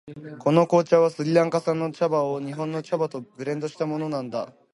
この紅茶はスリランカ産の茶葉を日本の茶葉とブレンドしたものなんだ。